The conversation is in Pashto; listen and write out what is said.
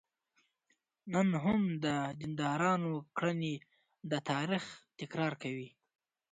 نن هم د دیندارانو کړنې د تاریخ تکرار کوي.